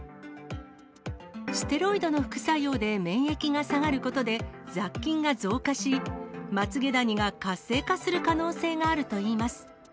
ステロイドの副作用で免疫が下がることで、雑菌が増加し、まつげダニが活性化する可能性があるといいます。